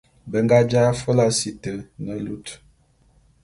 Be nga jaé afôla si te ne lut.